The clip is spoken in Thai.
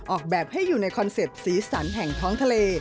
ออกแบบให้อยู่ในคอนเซ็ปต์สีสันแห่งท้องทะเล